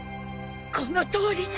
このとおりだ。